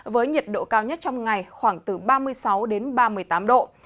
với nhiệt độ cao nhất trong ngày khoảng từ ba mươi sáu đến ba mươi tám độ